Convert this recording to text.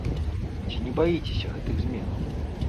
Ці не баіцеся гэтых зменаў?